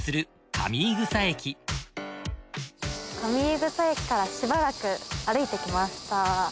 上井草駅からしばらく歩いてきました。